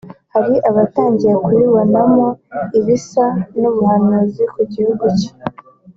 hari abatangiye kuribonamo ibisa n’ubuhanuzi ku gihugu cye